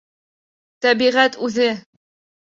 Тәбиғәт үҙе